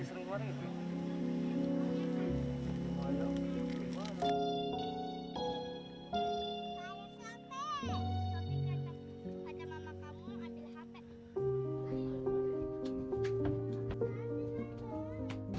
sempit terus terus